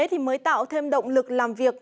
thì mới tạo thêm động lực làm việc